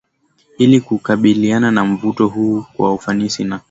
Ili kukabiliana na mvuto huu kwa ufanisi na